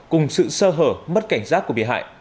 cùng sự sơ hở mất cảnh giác của bị hại